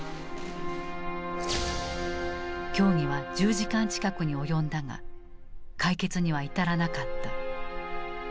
協議は１０時間近くに及んだが解決には至らなかった。